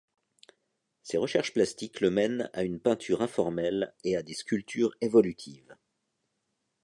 Ses recherches plastiques le mènent à une peinture informelle et à des sculptures évolutives.